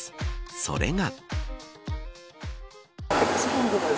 それが。